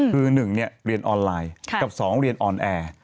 คือหนึ่งเรียนออนไลน์กับสองเรียนออนแอร์